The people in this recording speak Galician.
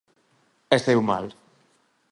E saíu mal.